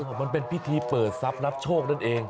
บอกมันเป็นพิธีเปิดทรัพย์รับโชคนั่นเอง